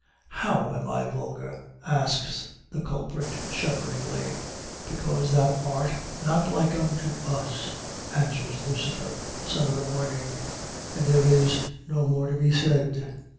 "How am I vulgar?" asks the culprit, shudderingly. "Because thou art not like unto Us," answers Lucifer, Son of the Morning, and there is no more to be said.